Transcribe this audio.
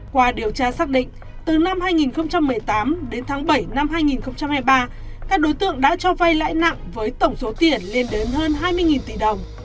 qua điều tra xác định từ năm hai nghìn một mươi tám đến tháng bảy năm hai nghìn hai mươi ba các đối tượng đã cho vay lãi nặng với tổng số tiền lên đến hơn hai mươi tỷ đồng